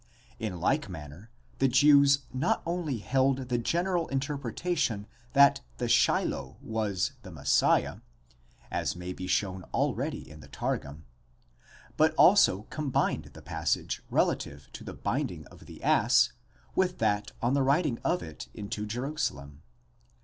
® In like manner'the Jews not only held the general inter pretation that the Shiloh was the Messiah, as may be shown already in the Targum,!4 but also combined the passage relative to the binding of the ass with that on the riding of it into Jerusalem.!